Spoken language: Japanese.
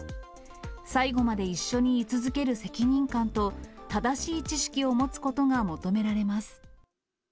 最後まで一緒に居続ける責任感と、正しい知識を持つことが求められます。